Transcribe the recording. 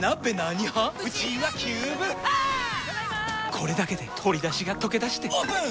これだけで鶏だしがとけだしてオープン！